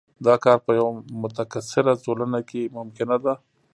دا کار په یوه متکثره ټولنه کې ممکنه ده.